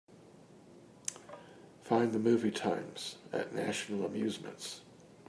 Find the movie times at National Amusements.